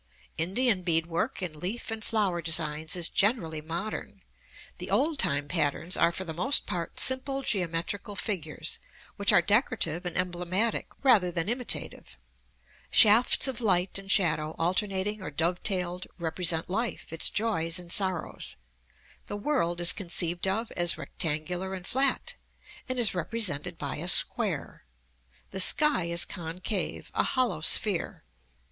Indian beadwork in leaf and flower designs is generally modern. The old time patterns are for the most part simple geometrical figures, which are decorative and emblematic rather than imitative. Shafts of light and shadow alternating or dovetailed represent life, its joys and sorrows. The world is conceived of as rectangular and flat, and is represented by a square. The sky is concave a hollow sphere.